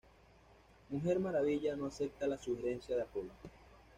Mujer Maravilla no acepta la sugerencia de Apolo.